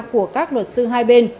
của các luật sư hai bên